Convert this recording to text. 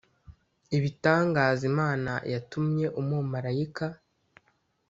ibitangaza Imana yatumye umumarayika